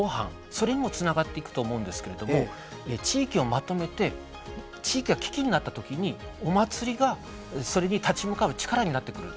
それにもつながっていくと思うんですけれども地域をまとめて地域が危機になった時にお祭りがそれに立ち向かうチカラになってくれると。